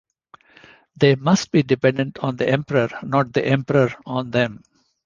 They must be dependent on the emperor, not the emperor on them.